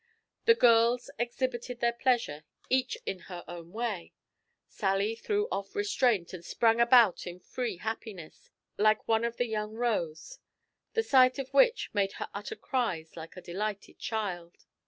The girls exhibited their pleasure each in her own way. Sally threw off restraint, and sprang about in free happiness, like one of the young roes, the sight of which made her utter cries like a delighted child.